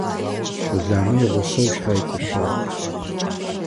Щэламэ игъусэу щаи тешъуагъ.